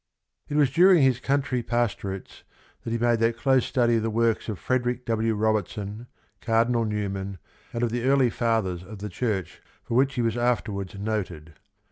It was during his country pastorates that he made that close study of the works of Frederick W. Robertson, Cardinal Newman, and of the early Fathers of the Church for which he was after wards noted.